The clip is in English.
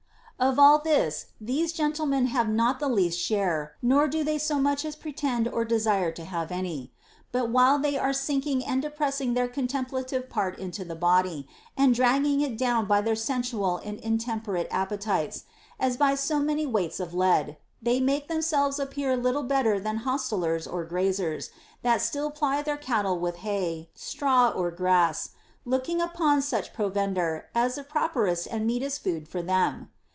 14. Of all this these gentlemen have not the least share, nor do they so much as pretend or desire to have any. But while they are sinking and depressing their contemplative part into the body, and dragging it down by their sensual and intemperate appetites, as by so many weights of lead, they make themselves appear little better than hostlers or graziers that still ply their cattle with hay, straw, or grass, looking upon such provender as the properest and meetest food for them.